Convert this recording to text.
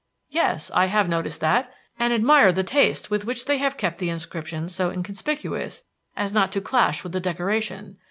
"Yes. I have noticed that and admired the taste with which they have kept the inscription so inconspicuous as not to clash with the decoration.